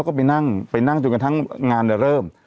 ก็ไปนั่งจนกระทั่งงานได้เริ่ม